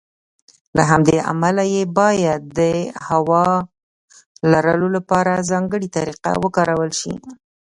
له همدې امله يې بايد د هوارولو لپاره ځانګړې طريقه وکارول شي.